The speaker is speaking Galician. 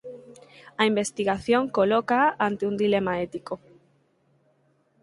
A investigación colócaa ante un dilema ético.